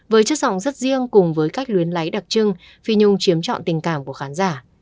với chất giọng rất riêng cùng với cách luyến lấy đặc trưng phi nhung chiếm trọn tình cảm của khán giả